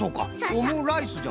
オムライスじゃもんね。